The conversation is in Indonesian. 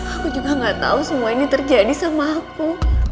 aku juga gak tahu semua ini terjadi sama aku